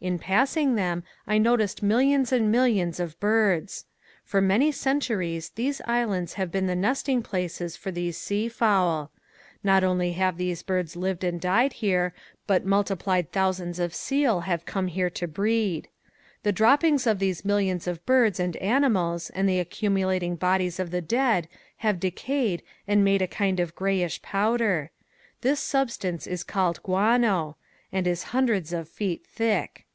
In passing them I noticed millions and millions of birds. For many centuries these islands have been the nesting places for these sea fowl. Not only have these birds lived and died here but multiplied thousands of seal have come here to breed. The droppings of these millions of birds and animals and the accumulating bodies of the dead have decayed and made a kind of grayish powder. This substance is called guano and it is hundreds of feet thick.